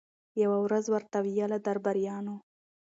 یوه ورځ ورته ویله درباریانو